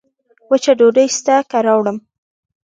وچه ډوډۍ سته که راوړم